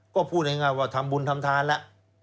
ก็พูดง่ายว่าทำบุญทำทานแล้ว